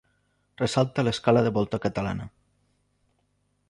Ressalta l'escala de volta catalana.